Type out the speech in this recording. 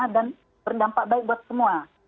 dan berdampak baik buat semua